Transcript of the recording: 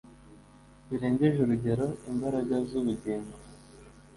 birengeje urugero imbaraga zubugingo